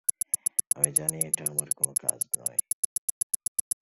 আমি জানি এটা আমার কোনো কাজ নয়।